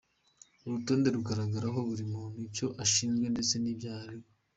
Uru rutonde rugaragaraho buri muntu icyo ashinzwe ndetse n’ibyaha aregwa.